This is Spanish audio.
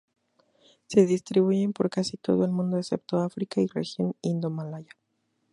Se distribuyen por casi todo el mundo, excepto África y región indomalaya.